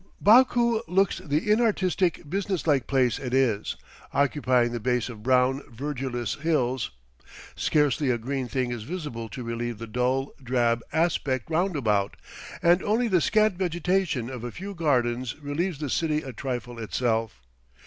Baku looks the inartistic, business like place it is, occupying the base of brown, verdureless hills. Scarcely a green thing is visible to relieve the dull, drab aspect roundabout, and only the scant vegetation of a few gardens relieves the city a trifle itself.